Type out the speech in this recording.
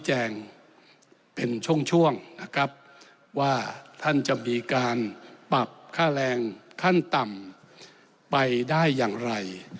แจงเป็นช่วงช่วงนะครับว่าท่านจะมีการปรับค่าแรงขั้นต่ำไปได้อย่างไร